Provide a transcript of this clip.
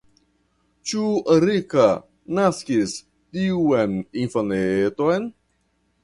Ĉu Rika naskis tiun infaneton?